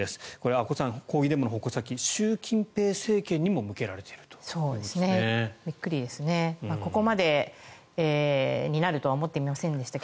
阿古さん抗議デモの矛先習近平政権にも向けられているということですね。